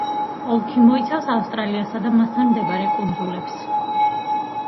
ოლქი მოიცავს ავსტრალიასა და მასთან მდებარე კუნძულებს.